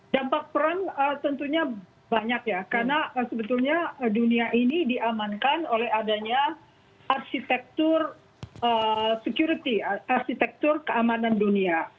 dampak perang tentunya banyak ya karena sebetulnya dunia ini diamankan oleh adanya arsitektur security arsitektur keamanan dunia